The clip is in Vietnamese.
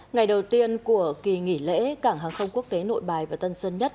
ngày đầu tiên của kỳ nghỉ lễ cảng hàng không quốc tế nội bài và tân sơn nhất